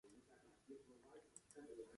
Tev nav ne jausmas, ar ko esi sapinies!